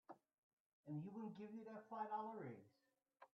And he gave you that five dollar raise.